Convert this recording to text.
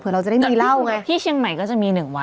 เราจะได้มีเหล้าไงที่เชียงใหม่ก็จะมีหนึ่งวัน